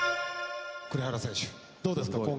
栗原選手どうですか？